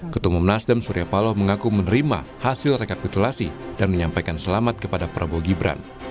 ketemu nasdem surya paloh mengaku menerima hasil rekapitulasi dan menyampaikan selamat kepada prabowo gibran